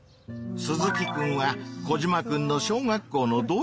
鈴木くんはコジマくんの小学校の同級生だ。